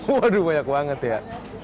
waduh banyak banget ya